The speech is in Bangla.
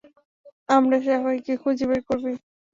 আমরা শাওহেইকে খুঁজে বের করবোই।